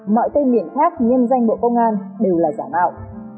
mọi tên miền khác nhân danh bộ công an đều là giả mạo